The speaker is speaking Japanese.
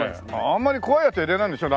あんまり怖いやつは入れないんでしょ？